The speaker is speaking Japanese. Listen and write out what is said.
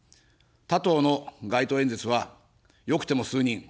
他党の街頭演説は、よくても数人。